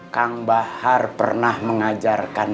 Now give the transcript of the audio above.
kang bahar pernah mengajarkan